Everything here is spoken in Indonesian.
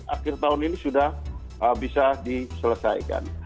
akhir tahun ini sudah bisa diselesaikan